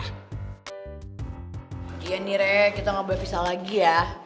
lagi ya nih re kita gak boleh pisah lagi ya